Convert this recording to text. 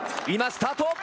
今、スタート。